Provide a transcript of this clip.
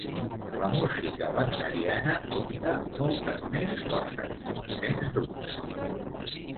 La música wagneriana conta moltes més coses, sens dubte.